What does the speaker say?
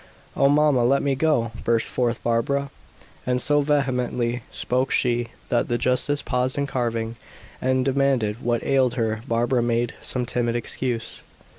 "Oh, mamma, let me go!" burst forth Barbara, and so vehemently spoke she, that the justice paused in carving, and demanded what ailed her. Barbara made some timid excuse.